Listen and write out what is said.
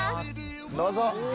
どうぞ！